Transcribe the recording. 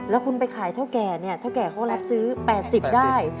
แล้วคุณไปขายเท่าแก่เนี่ยเท่าแก่เขารับซื้อ๘๐ได้